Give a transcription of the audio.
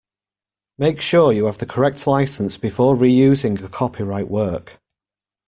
Make sure you have the correct licence before reusing a copyright work